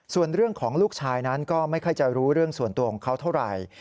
ส่วนเรื่องของลูกชายนั้นก็ไม่ค่อยจะรู้เรื่องส่วนตัวของเขาเท่าไหร่